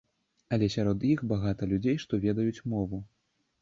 Але сярод іх багата людзей, што ведаюць мову.